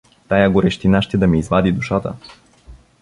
Тая горещина ще да ми извади душата.